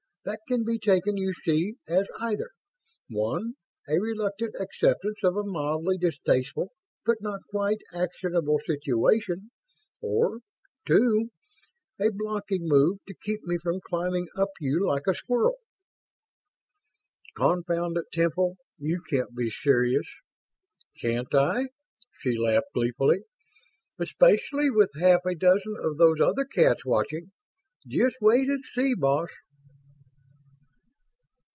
That can be taken, you see, as either: One, a reluctant acceptance of a mildly distasteful but not quite actionable situation, or: Two, a blocking move to keep me from climbing up you like a squirrel!" "Confound it, Temple, you can't be serious!" "Can't I?" She laughed gleefully. "Especially with half a dozen of those other cats watching? Just wait and see, boss!"